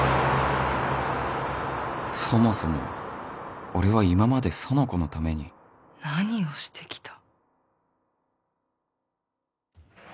そもそも俺は今まで苑子のために何をしてきた？